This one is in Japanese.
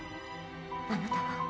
あなたは？